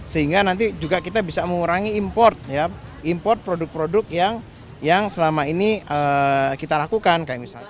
sehingga nanti juga kita bisa mengurangi import ya import produk produk yang selama ini kita lakukan